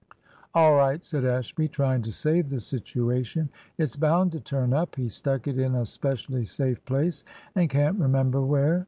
"All right," said Ashby, trying to save the situation, "it's bound to turn up. He stuck it in a specially safe place, and can't remember where.